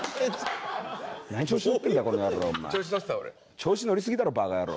調子乗りすぎだろバカ野郎。